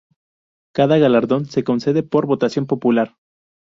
Cada galardón se concede por votación popular.